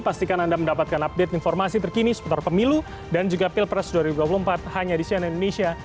pastikan anda mendapatkan update informasi terkini seputar pemilu dan juga pilpres dua ribu dua puluh empat hanya di cnn indonesia